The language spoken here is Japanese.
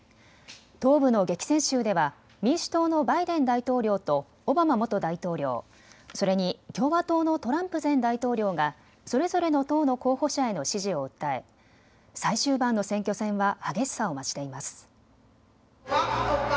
東部の激戦州では民主党のバイデン大統領とオバマ元大統領、それに共和党のトランプ前大統領がそれぞれの党の候補者への支持を訴え最終盤の選挙戦は激しさを増しています。